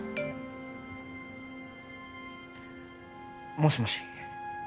もしもし